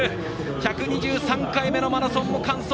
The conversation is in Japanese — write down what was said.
１２３回目のマラソンも完走！